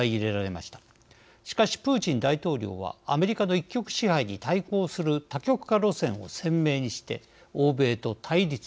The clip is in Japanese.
しかしプーチン大統領はアメリカの一極支配に対抗する多極化路線を鮮明にして欧米と対立。